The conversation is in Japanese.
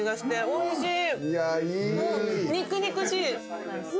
おいしい！